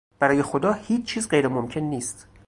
برای خدا هیچ چیز غیرممکن نیست.